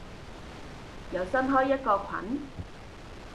又新開一個群？